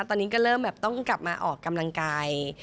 ตอนนี้ก็เริ่มแบบต้องกลับมาออกกำลังกาย